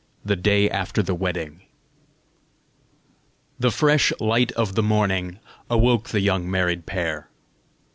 THE DAY AFTER THE WEDDING. The fresh light of the morning awoke the young married pair.